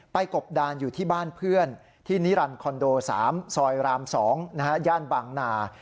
กบดานอยู่ที่บ้านเพื่อนที่นิรันดิคอนโด๓ซอยราม๒ย่านบางนา